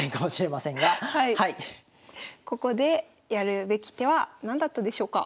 ここでやるべき手は何だったでしょうか？